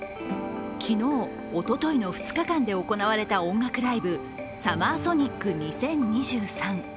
昨日、おとといの２日間で行われた音楽ライブＳＵＭＭＥＲＳＯＮＩＣ２０２３。